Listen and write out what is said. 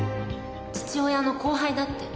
父親の後輩だって。